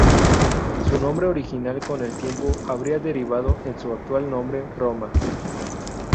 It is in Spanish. Su nombre original con el tiempo habría derivado en su actual nombre, Roma.